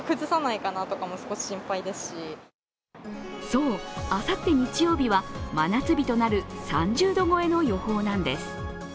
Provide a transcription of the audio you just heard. そう、あさって日曜日は、真夏日となる３０度超えの予報なんです。